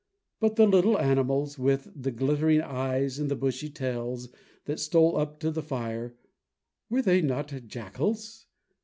But the little animals with the glittering eyes and the bushy tails that stole up to the fire, were they not jackals?